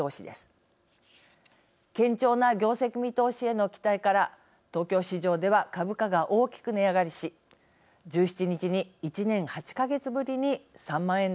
堅調な業績見通しへの期待から東京市場では株価が大きく値上がりし１７日に１年８か月ぶりに３万円台を回復しました。